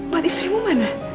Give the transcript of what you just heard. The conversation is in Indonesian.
buat istrimu mana